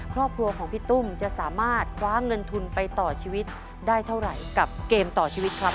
ครอบครัวของพี่ตุ้มจะสามารถคว้าเงินทุนไปต่อชีวิตได้เท่าไหร่กับเกมต่อชีวิตครับ